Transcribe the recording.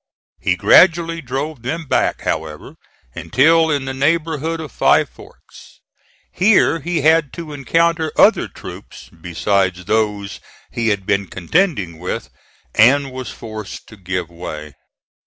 He gradually drove them back however until in the neighborhood of Five Forks. Here he had to encounter other troops besides those he had been contending with, and was forced to give way.